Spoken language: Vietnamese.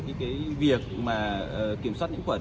cái việc mà kiểm soát những khuẩn